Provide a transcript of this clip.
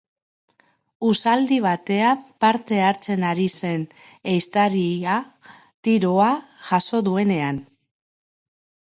Uxaldi batean parte hartzen ari zen ehiztaria tiroa jaso duenean.